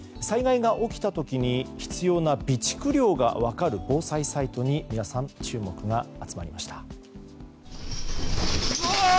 災害が起きた時に必要な備蓄量が分かる防災サイトに注目が集まりました。